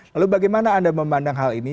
lalu bagaimana anda memandang hal ini